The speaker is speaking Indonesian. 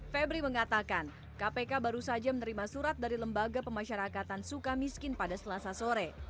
febri mengatakan kpk baru saja menerima surat dari lembaga pemasyarakatan suka miskin pada selasa sore